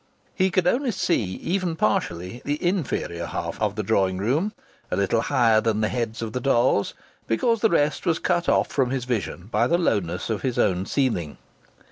He could only see, even partially, the inferior half of the drawing room a little higher than the heads of the dolls because the rest was cut off from his vision by the lowness of his own ceiling.